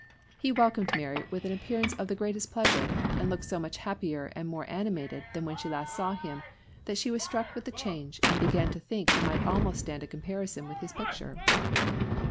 He welcomed Mary with an appearance of the greatest pleasure, and looked so much happier and more animated than when she last saw him, that she was struck with the change, and began to think he might almost stand a comparison with his picture.